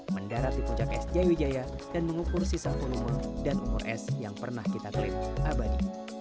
mendarat di puncak es jayawijaya dan mengukur sisa volume dan umur es yang pernah kita klip abadi